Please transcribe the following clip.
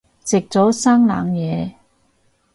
食咗生冷嘢